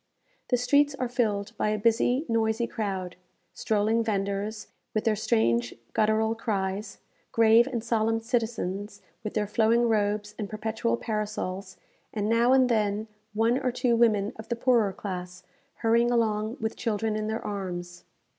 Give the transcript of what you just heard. The streets are filled by a busy, noisy crowd: strolling vendors, with their strange guttural cries; grave and solemn citizens, with their flowing robes and perpetual parasols; and, now and then, one or two women of the poorer class, hurrying along with children in their arms.